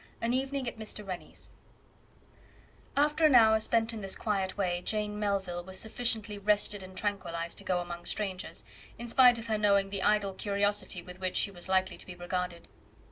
An Evening At Mr. Rennie's After an hour spent in this quiet way, Jane Melville was sufficiently rested and tranquillized to go among strangers, in spite of her knowing the idle curiosity with which she was likely to be regarded.